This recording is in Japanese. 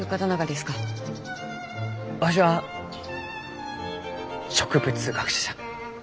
わしは植物学者じゃ。